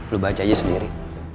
lo baca aja sendiri